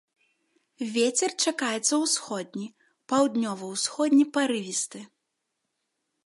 Вецер чакаецца ўсходні, паўднёва-ўсходні парывісты.